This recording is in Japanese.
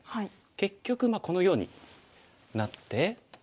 結局このようになって。